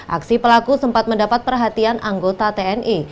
aksi pelaku sempat mendapat perhatian anggota tni